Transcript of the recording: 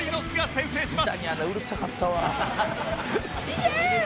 “いけー！”」